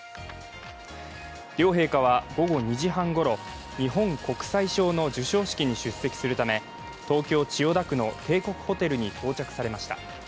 両陛下は午後２時半ごろ日本国際賞の授賞式に出席するため東京・千代田区の帝国ホテルに到着されました。